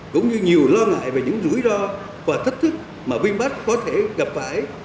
cũng như nhiều lo ngại về những rủi ro và thách thức mà vinmart có thể gặp phải